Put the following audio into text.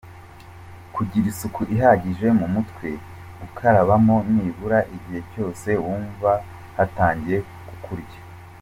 Kugira isuku ihagije mu mutwe: Gukarabamo nibura igihe cyose wumva hatangiye kukurya.